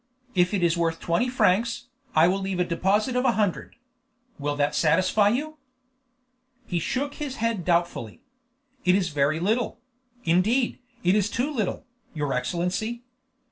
If it is worth twenty francs, I will leave a deposit of a hundred. Will that satisfy you?" He shook his head doubtfully. "It is very little; indeed, it is too little, your Excellency.